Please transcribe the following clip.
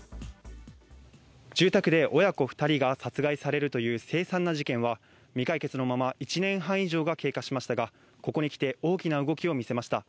住宅で親子２人が殺害されるという凄惨な事件は、未解決のまま１年半以上が経過しましたが、ここにきて大きな動きを見せました。